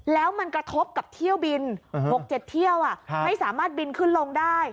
แล้วมันกระทบกับเที่ยวบิน๖๗เที่ยวไม่สามารถบินขึ้นลงได้